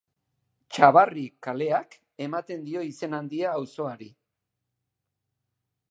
Txabarri kaleak ematen dio izen handia auzoari.